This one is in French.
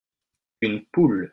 Une poule.